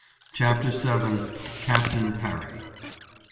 CHAPTER VII. CAPTAIN PARRY.